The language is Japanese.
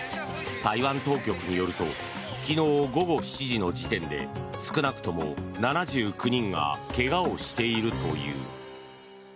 台湾当局によると昨日午後７時の時点で少なくとも７９人が怪我をしているという。